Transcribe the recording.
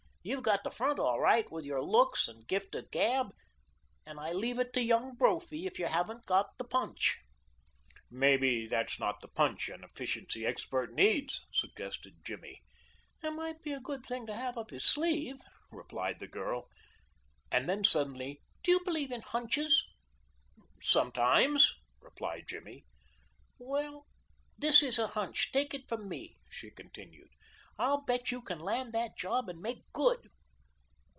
You've got the front all right with your looks and gift of gab, and I leave it to Young Brophy if you haven't got the punch." "Maybe that's not the punch an efficiency expert needs," suggested Jimmy. "It might be a good thing to have up his sleeve," replied the girl, and then suddenly, "do you believe in hunches?" "Sometimes," replied Jimmy. "Well, this is a hunch, take it from me," she continued. "I'll bet you can land that job and make good."